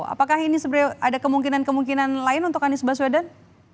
apakah ini sebenarnya ada kemungkinan kemungkinan lain untuk anies baswedan